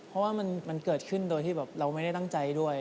เพราะว่ามันเกิดขึ้นโดยที่แบบเราไม่ได้ตั้งใจด้วย